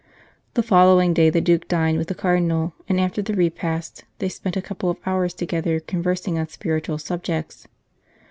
" The following day the Duke dined with the 164 The Holy Winding Sheet Cardinal, and after the repast they spent a couple of hours together conversing on spiritual subjects.